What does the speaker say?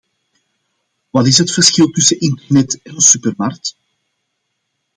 Wat is het verschil tussen internet en een supermarkt?